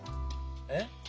えっ？